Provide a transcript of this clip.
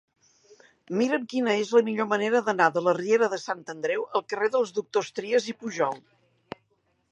Mira'm quina és la millor manera d'anar de la riera de Sant Andreu al carrer dels Doctors Trias i Pujol.